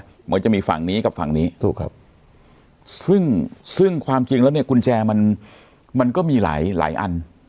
เหมือนจะมีฝั่งนี้กับฝั่งนี้ซึ่งความจริงแล้วเนี่ยกุญแจมันก็มีหลายอัน